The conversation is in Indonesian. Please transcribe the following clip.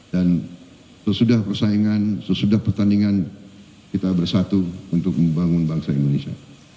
dan sesudah pertandingan kita bersatu untuk membangun bangsa indonesia